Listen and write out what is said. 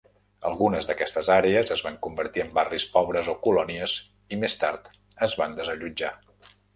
Algunes d'aquestes àrees es van convertir en barris pobres o "colònies", i més tard es van desallotjar.